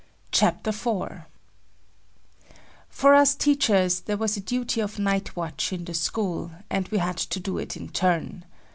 CHAPTER IV For us teachers there was a duty of night watch in the school, and we had to do it in turn.